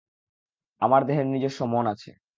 আমার দেহের নিজস্ব মন আছে।